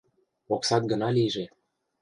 Оксат гына лийже.